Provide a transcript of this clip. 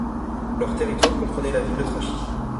Leur territoire comprenait la ville de Trachis.